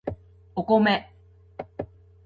お米